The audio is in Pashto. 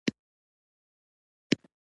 او خپل نوي خان ته سلامي شول.